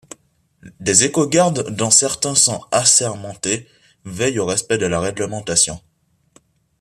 Des éco-gardes, dont certains sont assermentés, veillent au respect de la réglementation.